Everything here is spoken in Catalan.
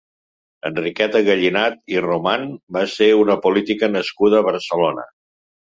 Enriqueta Gallinat i Roman va ser una política nascuda a Barcelona.